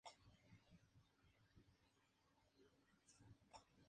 El gobierno británico se limitó a autorizar su permanencia en la roca.